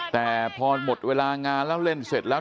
แต่พอหมดเวลางานแล้วเล่นเสร็จแล้ว